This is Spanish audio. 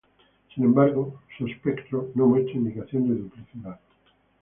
Sin embargo, su espectro no muestra indicación de duplicidad.